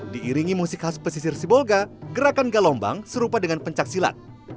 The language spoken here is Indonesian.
diiringi musik khas pesisir sibolga gerakan galombang serupa dengan pencaksilat